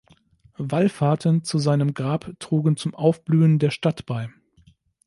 Wallfahrten zu seinem Grab trugen zum Aufblühen der Stadt bei.